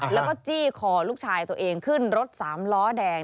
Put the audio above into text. แล้วก็จี้คอลูกชายตัวเองขึ้นรถสามล้อแดง